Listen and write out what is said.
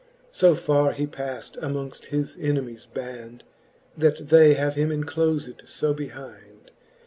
So farre he paft amongft his enemies band. That they have him enclofed fo behind.